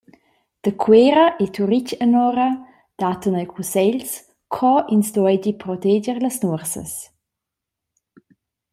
Da Cuera e Turitg anora dattan els cussegls co ins duegi proteger las nuorsas.